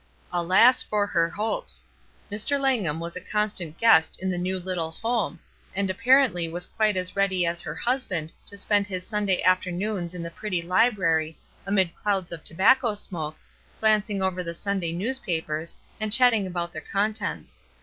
Alas for her hopes ! Mr. Langham was a constant guest in the new Uttle home, and was apparently quite as ready as her husband to spend his Sunday after noons in the pretty library amid clouds of tobacco smoke, glancing over the Sunday news papers and chatting about their contents.